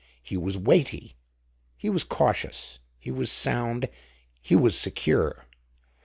He was weighty, he was cautious, he was sound, he was secure.